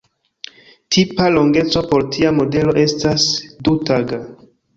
Tipa longeco por tia modelo estas du-taga.